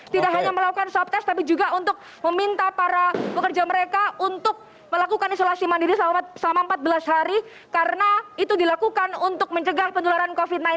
tidak hanya melakukan swab test tapi juga untuk meminta para pekerja mereka untuk melakukan isolasi mandiri selama empat belas hari karena itu dilakukan untuk mencegah penularan covid sembilan belas